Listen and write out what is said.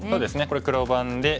これ黒番で。